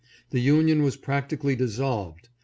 The Union was practically dissolved.